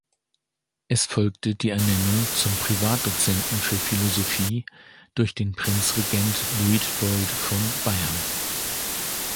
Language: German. Es folgte die Ernennung zum Privatdozenten für Philosophie durch Prinzregent Luitpold von Bayern.